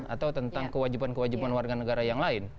atau tentang kewajiban kewajiban warga negara yang lain